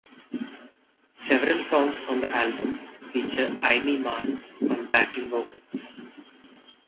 Several songs on the album feature Aimee Mann on backing vocals.